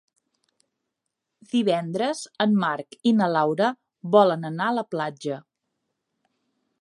Divendres en Marc i na Laura volen anar a la platja.